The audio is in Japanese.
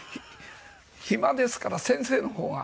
暇ですから先生の方は。